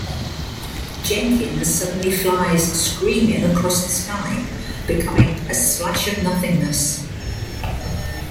Jenkins' suddenly flies "screaming across the sky," becoming "a slash of nothingness".